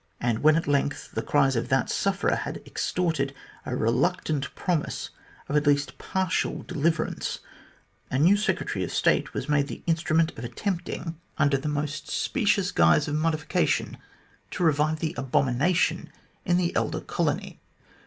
And when at length the cries of that sufferer had extorted a reluctant promise of at least partial deliverance, a new Secretary of State was made the instrument of attempting, 56 THE GLADSTONE COLONY under the most specious guise of modification, to revive the abomination in the elder colony.